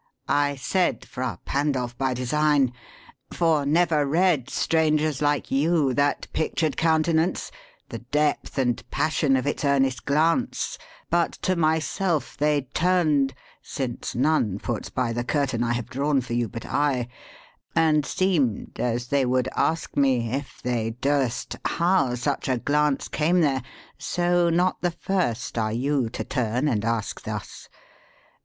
I said 'Fra Pandolf by design; for never read 214 DRAMATIC MONOLOGUE AND PLAY Strangers like you that pictured countenance, The depth and passion of its earnest glance, But to myself they turned (since none puts by The curtain I have drawn for you, but I) And seemed as they would ask ire, if they durst, How such a glance came there; so, not the first Are you to turn and ask thus.